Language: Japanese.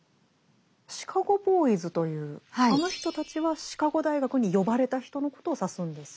シカゴ・ボーイズというあの人たちはシカゴ大学に呼ばれた人のことを指すんですか？